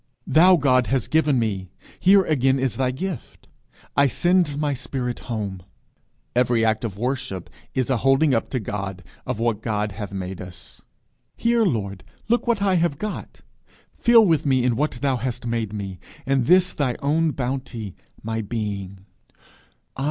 "Thou God hast given me: here again is thy gift. I send my spirit home." Every act of worship is a holding up to God of what God hath made us. "Here, Lord, look what I have got: feel with me in what thou hast made me, in this thy own bounty, my being.